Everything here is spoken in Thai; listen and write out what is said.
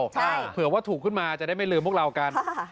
ใช่เผื่อว่าถูกขึ้นมาจะได้ไม่ลืมพวกเรากัน